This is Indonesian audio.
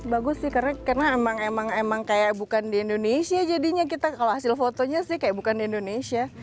bagus sih karena emang emang kayak bukan di indonesia jadinya kita kalau hasil fotonya sih kayak bukan di indonesia